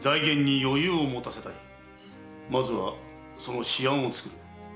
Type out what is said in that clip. まずはその試案を作る。